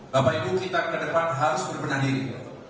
bapak ibu kita ke depan harus berbenah diri